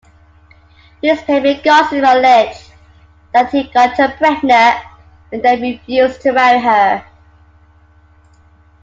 Newspaper gossip alleged that he got her pregnant, and then refused to marry her.